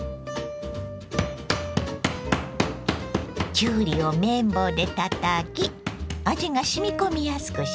きゅうりを麺棒でたたき味がしみこみやすくします。